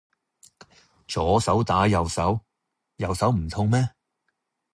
左手打右手，右手唔痛咩